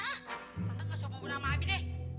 tante gak sok punggung sama abi deh